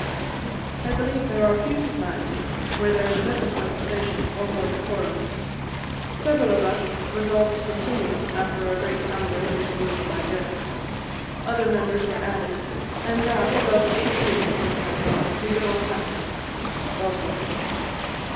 I believe there are few societies where there is better conversation or more decorum. Several of us resolved to continue it after our great founder was removed by death. Other members were added; and now, above eight years since that loss, we go on happily. BOSWELL.